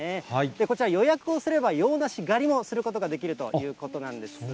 こちら、予約をすれば洋梨狩りもすることができるということなんです。